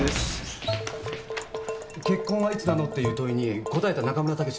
「結婚はいつなの」っていう問いに答えた中村武のメールです。